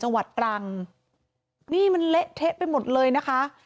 จังหวัดตรังนี่มันเละเทะไปหมดเลยนะคะ